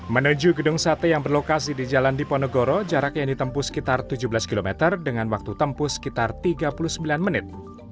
menuju gedung sate yang berlokasi di jalan diponegoro jarak yang ditempuh sekitar tujuh belas km dengan waktu tempuh sekitar tiga puluh sembilan menit